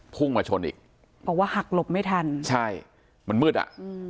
พุ่งมาชนอีกบอกว่าหักหลบไม่ทันใช่มันมืดอ่ะอืม